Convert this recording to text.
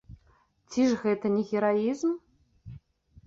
Ці ж гэта не гераізм?